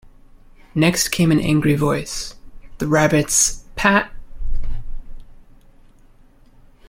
Next came an angry voice—the Rabbit’s—‘Pat’!